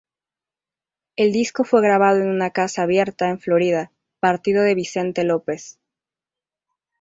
El disco fue grabado en una casa abierta, en Florida, Partido de Vicente López.